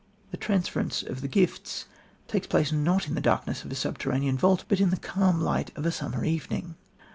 The transference of the gifts takes place not in the darkness of a subterranean vault, but in the calm light of a summer evening.